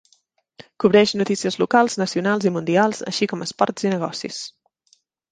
Cobreix notícies locals, nacionals i mundials, així com esports i negocis.